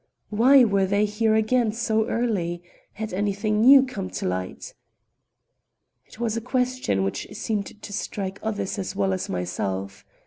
Why were they here again so early? Had anything new come to light? It was a question which seemed to strike others as well as myself.